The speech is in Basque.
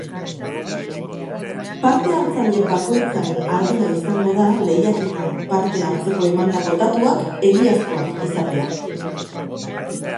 Parte-hartzaile bakoitzaren ardura izango da lehiaketan parte hartzeko emandako datuak egiazkoak izatea.